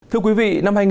thưa quý vị